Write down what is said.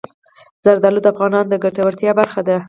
زردالو د افغانانو د ګټورتیا برخه ده.